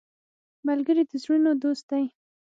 ملګری د زړونو دوست دی